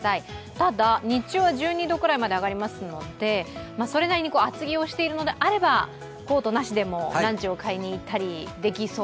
ただ日中は１２度くらいまで上がりますのでそれなりに厚着をしているのであればコートなしでもランチを買いに行ったりできそう？